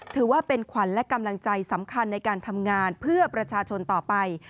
ถือว่าเป็นขวัญและกำลังใจสำคัญในการทำงานเพื่อประชาชนต่อไป